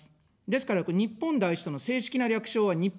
ですから、日本第一党の正式な略称は、日本一です。